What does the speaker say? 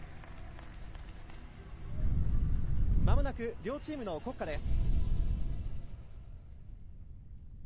まもなく両チームの国歌です。